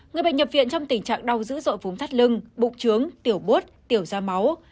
người bệnh nhập viện trong tình trạng đau dữ dội vùng thắt lưng bụng trướng tiểu bốt tiểu da máu